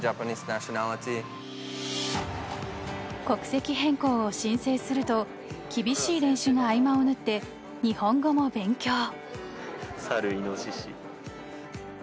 国籍変更を申請すると厳しい練習の合間を縫って日本語も勉強。